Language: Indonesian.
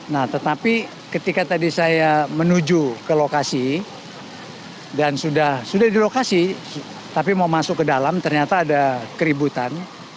nah tetapi ketika tadi saya menuju ke lokasi dan sudah di lokasi tapi mau masuk ke dalam ternyata ada keributan